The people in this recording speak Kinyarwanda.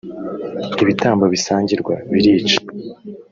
ibitambo bisangirwa birica